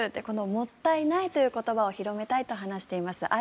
このもったい苗という言葉を広めたいと話しています